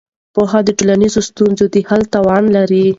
پوهه د ټولنیزو ستونزو د حل توان لري.